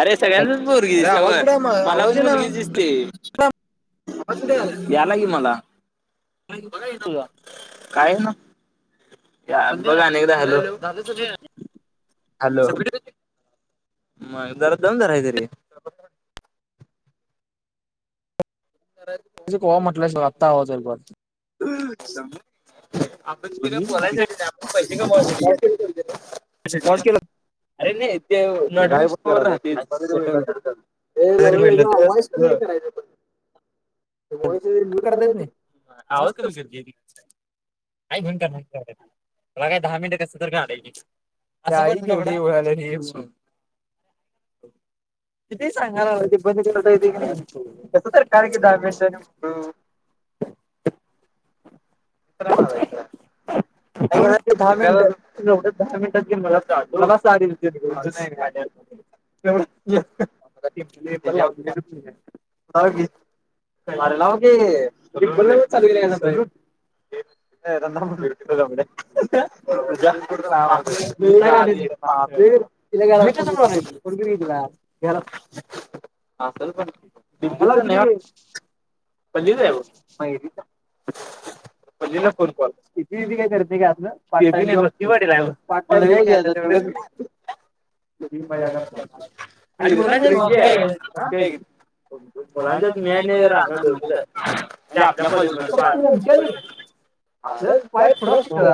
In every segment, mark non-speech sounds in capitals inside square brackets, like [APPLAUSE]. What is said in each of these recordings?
अरे सगळ्यांचच बरगी मला पण ऽऽ यालाय की मला. बघा काय ना? बघा अनेकदा हॅलो, हॅलो,, मग जरा दम धरायचा रेऽ तु कवा म्हटलंय तवा, आता आवाज जराऽऽ आपण तला बोलायसाठी नाही,, आपण पैसे कमाव शऽऽ अरे नाही ते, ढाई फुटऽऽ [INAUDIBLE] निवड करतात याची,, हवच कमी करजाऽऽ नाही म्हण काय, तुला काय दहा मिनटं कस तर काडायची आऽऽ ईवढी उलेतऽऽ किती सांगाला ते ब का कायच दऽऽ [INAUDIBLE] इस मालयत, तेवढच धा मिनिटं, मला सांगऽऽ [INAUDIBLE] तेच किऽऽ मड लाव कि,, इपण मी चलवीलेऽऽ ह रंदा मणेऽऽ जाऽऽ नाही बाऽऽ पजू मयरीऽऽ ण कतीयच वाट मला वेळ घ्यायचऽऽ म करतातला, मुलांच्या त मी अनी राधाऽऽ हो म्हणजे आपल्या बोलऽऽ [INAUDIBLE] बर,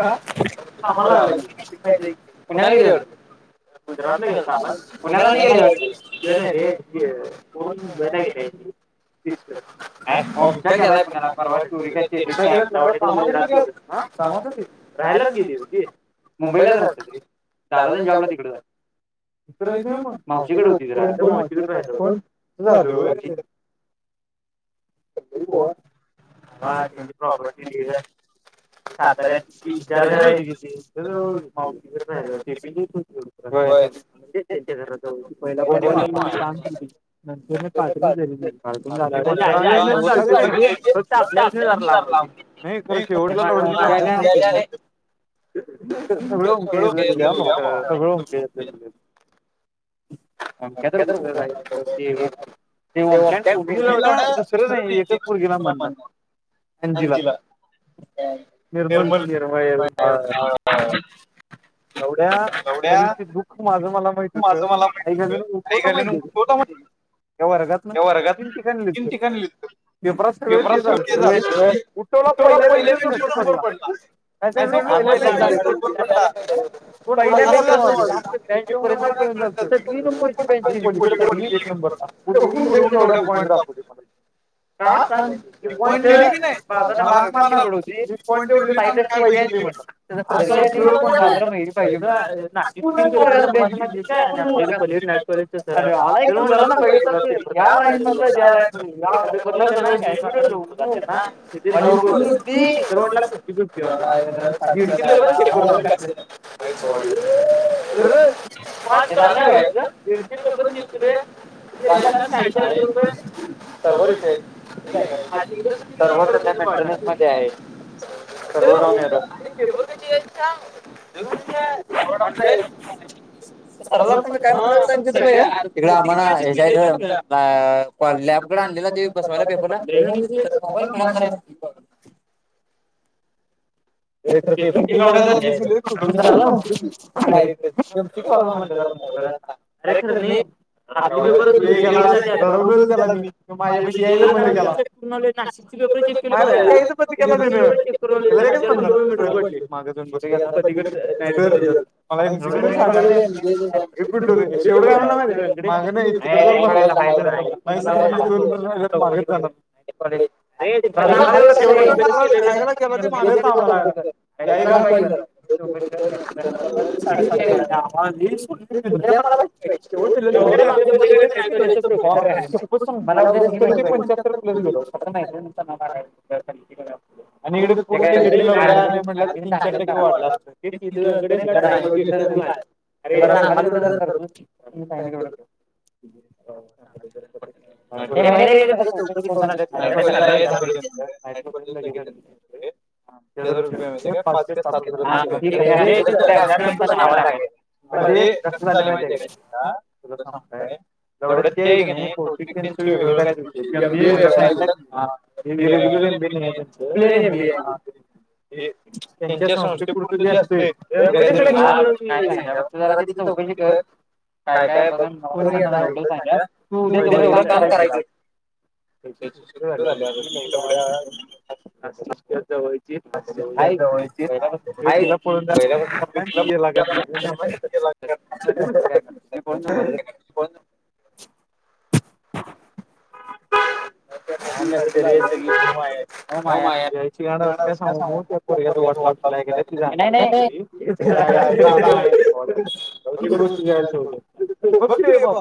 आमला लागलाय, कय ते माहिती पऽऽ ात केला र फोन बनऽऽ ँ दिऽ म गेलाय कोला परवाऽऽकामासाठीऽ राहायलाच गेली होती मुंबईलाच राहते ती दादा तेन जॉबला तिकड च हाय [UNINTELLIGIBLE] [UNINTELLIGIBLE] हा त्यांची प्रॉपर्टी ढीग साताऱ्यात तीन चार घर होती तिथे मावशीकडे राहायला होती म्हणजे त्यांच्या घरा जवळ [UNINTELLIGIBLE] फक्त आपल्या पासून लांब होतीत [UNINTELLIGIBLE] सगळ ओमक्याच्यातलं लिहलोय भावा सगळ ओमक्याच्यातलं लिहलोय ओमक्या तर कुठ रहायला होत ते ओके ओमक्य पुरी लवड्या काय रे जिवा निर्मल लवड्या त्या दिवशी दुःख माझं मला माहित होत आईघालण्य होत म्ह तिनठिकाणी यूज करत होती पेपरात सगळ तेच आलत होय उठवला पहिल्या बॅनच पेपर पडला [UNINTELLIGIBLE] सगळी नंबरची बॅनच सगळी तेच फक्त तेवढा पॉईंट दाखवूदे मला [UNINTELLIGIBLE] [UNINTELLIGIBLE] ट कॉलेज [INAUDIBLE] [INAUDIBLE] सर म्हटला फिफ्टी फिफ्टी म्हट साड अ पा रां दडशे तु रे [INAUDIBLE] साडेचार रुपये सर्वर विषय [INAUDIBLE] सरला काय म्हणा सां इकड आम्हा हेय लॅबला आणलेला बसवायला पेपरला सर मोबाईल [UNINTELLIGIBLE] [UNINTELLIGIBLE] अरे ठरलय वलं त्याला मी माझ्या पशी यायला ब गला [UNINTELLIGIBLE] पेपर चेक केलं खुळ्या ह्यावेळी लिहायचं बंद केला त्यानं पली मागडट मला [UNINTELLIGIBLE] [INAUDIBLE] [UNINTELLIGIBLE] [UNINTELLIGIBLE] [INAUDIBLE] [INAUDIBLE] पंच्यातर प्लस गेलो म्ह वाढला [UNINTELLIGIBLE] सांगलय येवढं करतोस काय महिन्या सळ्या चौकशी [UNINTELLIGIBLE] दि ला [UNINTELLIGIBLE] म कस झालं माहितेय का तुला सांगु काय तेवढ ते हाय कनी बहुतेक त्याचं वेगळ काय तरी विषय मी सांगे [UNINTELLIGIBLE] त्यांच्या संस् करत जे अस तेत झारा चौकशी कर काय काय बघा कोणी एवढं सांगा तू उद्या तेवढं काम करायचं [UNINTELLIGIBLE] जवळची आहे पहिल्यापासून ह्यो तिला पळून जायला मदत करणार आहे आणि ती ह्याला करणारं. [INAUDIBLE] [INAUDIBLE] [INAUDIBLE] काय नसतय रे सगळी मोहमाया आहे मोहमाया आहे [UNINTELLIGIBLE] अस काय सांगू नको त्या पोरग्याचं वाट लावशील. [INAUDIBLE] बघ की रे भावा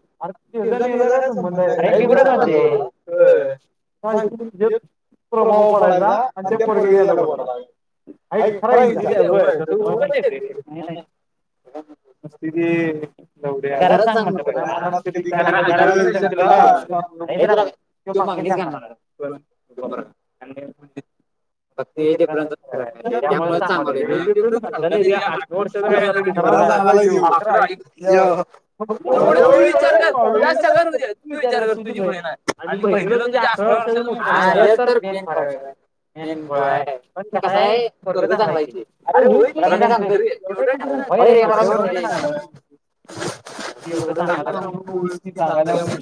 ह्याच आणि ह्याच काय संबंध आहे अरे मी कुठ म्हणालोय. [UNINTELLIGIBLE] [UNINTELLIGIBLE] प्रभाव पडायचा आणि त्या पोरग्याच्या आईला घोडा लागायचा. हाय की खरय कणी सांग [UNINTELLIGIBLE] [UNINTELLIGIBLE] [UNINTELLIGIBLE] [UNINTELLIGIBLE] फक्त ते एज डिफेरेन्स फरक आहे रे त्यामुळे सांगलोय रे [UNINTELLIGIBLE] अकरा सांगालाय तो अकरा [UNINTELLIGIBLE] तू विचार कर सगळ राहूदे तू विच. विचार कर तुझी बहिण आहे. आणि बहिणीला तुझ्या अकरा वर्षाचं मोठं पोर आहे हा हेच तर मेन फरक आहे. भोळा आहे पण कसा आहे पोरग चांगलय ते अरे होय की तुला मी सांगतोय ऐक की. व्हय रे कशावर सांगणार. ती एवढं सांगाल्या [INAUDIBLE] सांगाल्या म्हणून.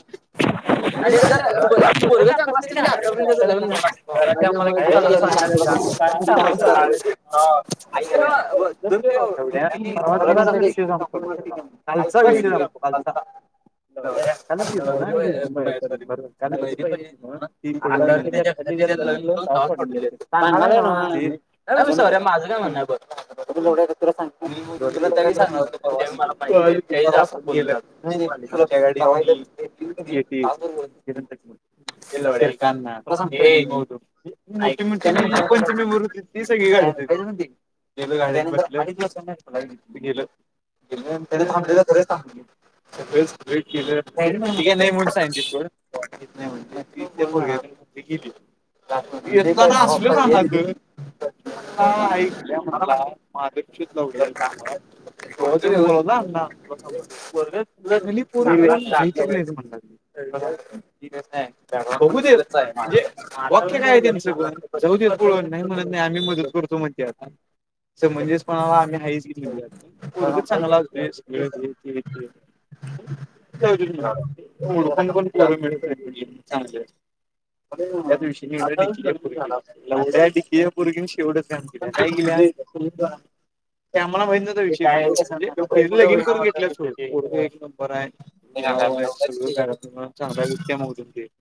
[INAUDIBLE] पोरग. [UNINTELLIGIBLE] [UNINTELLIGIBLE] विषय सांगतो कालचा [UNINTELLIGIBLE] कालच की [UNINTELLIGIBLE] तुझं काय म्हण आहे मग [UNINTELLIGIBLE] तुला त्यावेळी सांगलतो परवा [UNINTELLIGIBLE] [INAUDIBLE] तासभर बोलातो. [UNINTELLIGIBLE] मोठी म्हणजे ती पंचमी भर होती ती सगळी गाडीत होती. [UNINTELLIGIBLE] [UNINTELLIGIBLE] ती काय नाही म्हणून सांगितली सोड येत नाही म्हटली. ती त्या पोरग्यासंग गेली येताना असल सांगालत. हा ऐक [UNINTELLIGIBLE] [INAUDIBLE] [UNINTELLIGIBLE] बोलालता हा अण्णा [UNINTELLIGIBLE] [UNINTELLIGIBLE] बघू देत म्हणजे वाक्य काय आहे त्याचं बघ जाऊदेत पळून नाही म्हणत नाही. आम्ही मदत करतो म्हणत्यात समंजसपणाला आम्ही आहेच. पोरग चांगलं असुदे सगळं हे ते ते. जाऊ देत म्हणा हुडकून पण पोरं मिळत नाहीत म्हटले चांगल. त्यादिवशी [UNINTELLIGIBLE] लवड्या [UNINTELLIGIBLE] पोरगीने शेवटच घाण केल्या काय केल्या. [INAUDIBLE] [INAUDIBLE] आम्हाला माहित नव्हता विषय काय म्हणजे ह्याचं लगीन करून घेतलंय [UNINTELLIGIBLE] व्हय सगळ घरातल तेन चांगला आहे [UNINTELLIGIBLE]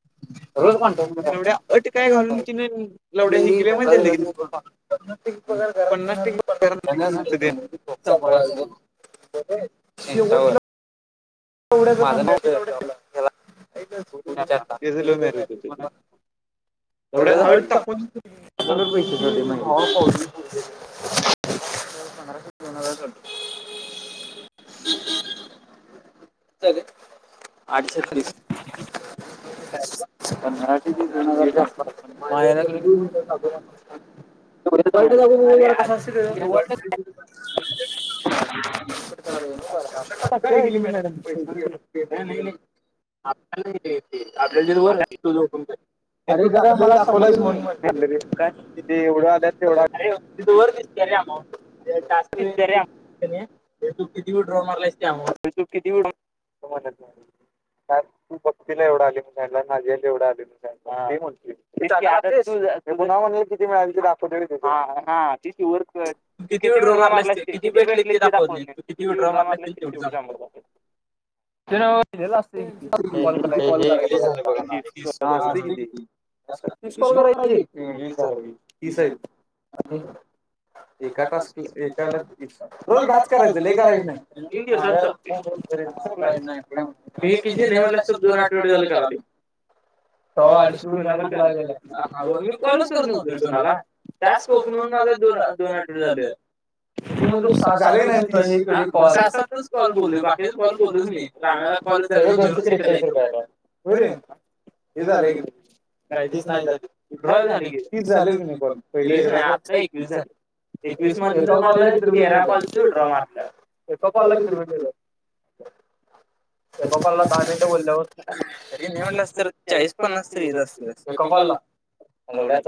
रोज कॉन्टॅक्ट मध्ये आहे काय [UNINTELLIGIBLE] एक पगार घरात देणार आणि पन्नास [UNINTELLIGIBLE] [UNINTELLIGIBLE] [UNINTELLIGIBLE] त्याच लेव्ह मॅरेज होत. [UNINTELLIGIBLE] पैसे पैसे [UNINTELLIGIBLE] रन [UNINTELLIGIBLE] [UNINTELLIGIBLE] आठ छतीस क मराठी जनगच्या. माझ वग [UNINTELLIGIBLE] [UNINTELLIGIBLE] कयं अस्तं तेज? काय गेली मॅडम. [UNINTELLIGIBLE] आपल्याला आपल्याला ज वर तू जोपून. म्हणून म्हटलं [UNINTELLIGIBLE] वर दिसत रे अमाउंट टास्क कणी तू किती व विड्राव मारलाईस तू किती व्हीडीओ का? तू भक्तीला एवढं आले म्हण सांगितलास माझ्याकडन एवढं ते म्हणतोय मी न्हा म्ह [UNINTELLIGIBLE] तू किती विड्रॉ मारला असतील किती भेटले ते दाखवत नाहीस तू कि वे शेवटी [INAUDIBLE] [UNINTELLIGIBLE] असते किती तिस कॉल करायची? हम विस झाले विस. तीस आहेत. एका टस्कला एकाला रोज दहाच करायचं. लय करायच नाही. तिन दिवसात [UNINTELLIGIBLE] मी कि नाही, म्हटलं अस तर दोन आठवडे झाल करालोय स अडीचशे मी कॉल करत नाही कुणाला दोन अठवडे झाले. [UNINTELLIGIBLE] कॉल केलो बाकीच कॉल केलोच नाही रागान कॉल इ [UNINTELLIGIBLE] नाही झाले क तीस झाली की नाही कॉल? पहिलीकडे आठ एकवीस झाली. एकवीस मध्ये तेरा कॉल चा विड्रॉ मारला. एका कॉल ला किती माहीते का? एका काॅल दहा मिनटं बोलल्यावर पण न [UNINTELLIGIBLE] एका कॉलला? लईच.